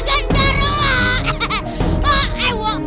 tolong ini siapnya gendero